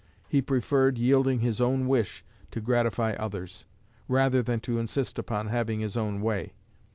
He preferred yielding his own wish to gratify others, rather than to insist upon having his own way.